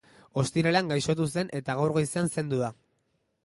Ostiralean gaixotu zen eta gaur goizean zendu da.